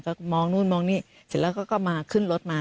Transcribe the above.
ก็มองนู่นมองนี่เสร็จแล้วก็มาขึ้นรถมา